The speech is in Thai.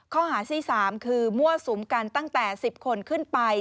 ข้อหาที่๓คือมั่วสุมกันตั้งแต่๑๐คนขึ้นไป